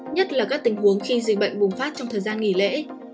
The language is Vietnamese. nhất là các tình huống khi dịch bệnh bùng phát trong thời gian nghỉ lễ